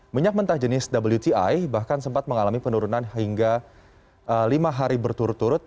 minyak mentah jenis wti bahkan sempat mengalami penurunan hingga lima hari berturut turut